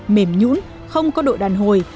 mềm nhũn không có độ đoàn hồi